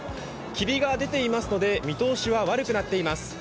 霧が出ていますので見通しは悪くなっています。